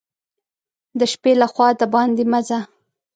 د شپې له خوا دباندي مه ځه !